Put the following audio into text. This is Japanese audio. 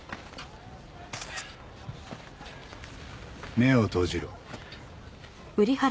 目を閉じろ。